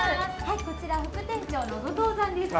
こちら副店長の後藤さんです。